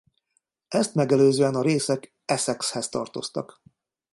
Ezt megelőzően a részek Essexhez tartoztak.